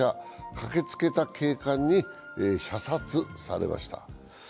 駆けつけた警官に射殺されました。